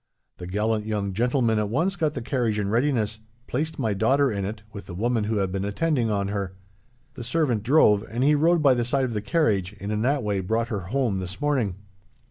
The gallant young gentleman at once got the carriage in readiness, placed my daughter in it, with the woman who had been attending on her. The servant drove, and he rode by the side of the carriage, and in that way brought her home this morning.'